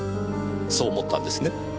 そう思ったんですね？